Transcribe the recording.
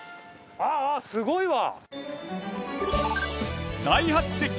あっあっすごいわ！